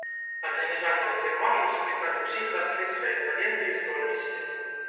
Арганізатары кірмашу заклікалі ўсіх раскрыць свае таленты і здольнасці.